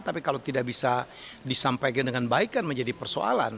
tapi kalau tidak bisa disampaikan dengan baik kan menjadi persoalan